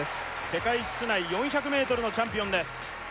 世界室内４００ｍのチャンピオンです